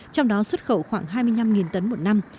trong đó xuất khẩu khoảng hai mươi năm tấn một năm